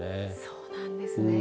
そうなんですね。